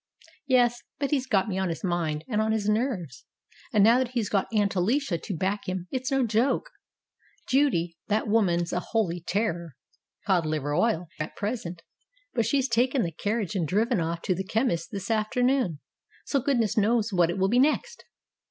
"Yes, but he's got me on his mind and on his nerves, and now that he's got Aunt Alicia to back him it's no joke. Judy, that woman's a holy terror. It's cod liver oil at present. But she's taken the carriage and driven off to the chemist's this afternoon, so good ness knows what it will be next.